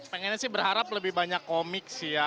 pengennya sih berharap lebih banyak komik sih ya